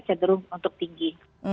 cenderung untuk tinggi